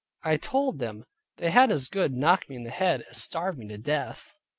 I told them, they had as good knock me in head as starve me to death.